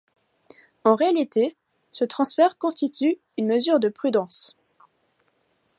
En réalité, ce transfert constitue une mesure de prudence.